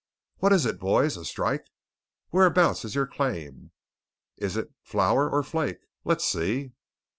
"What is it, boys?" "A strike?" "Whereabouts is your claim?" "Is it 'flour' or 'flake'?" "Let's see!"